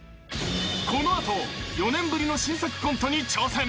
［この後４年ぶりの新作コントに挑戦